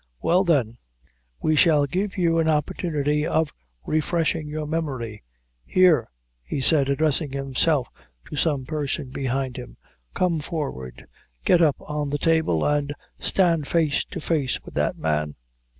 "Well, then, we shall give you an opportunity of refreshing your memory here," he said, addressing himself to some person behind him; "come forward get up on the table, and stand face to face with that man."